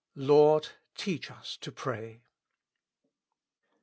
"Lord, teach us to pray."